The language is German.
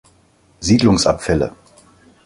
Siedlungsabfälle!